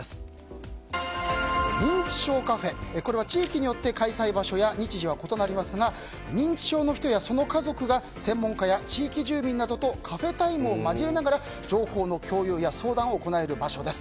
認知症カフェこれは地域によって開催場所や日時は異なりますが認知症の人やその家族が専門家や地域住民などとカフェタイムを交えながら情報の共有や相談を行える場所です。